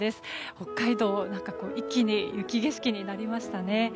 北海道、一気に雪景色になりましたね。